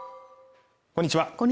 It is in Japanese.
こんにちは。